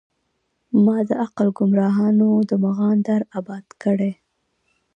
مــــــــا د عـــــــقل ګــــمراهانو د مغان در اباد کړی